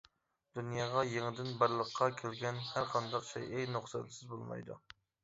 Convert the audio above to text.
دۇنياغا يېڭىدىن بارلىققا كەلگەن ھەرقانداق شەيئى نۇقسانسىز بولمايدۇ.